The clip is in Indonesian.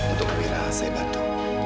untuk amira saya bantu